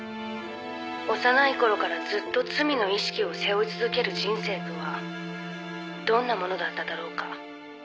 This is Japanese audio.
「幼い頃からずっと罪の意識を背負い続ける人生とはどんなものだっただろうか？」